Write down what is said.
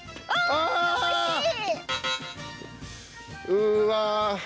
うわ。